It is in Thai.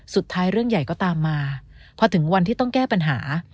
เรื่องใหญ่ก็ตามมาพอถึงวันที่ต้องแก้ปัญหา